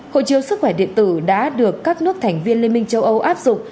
hội chiếu sức khỏe điện tử đã được các nước thành viên liên minh châu âu áp dụng